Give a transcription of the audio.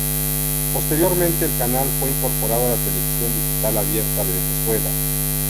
Posteriormente, el canal fue incorporado a la televisión digital abierta de Venezuela.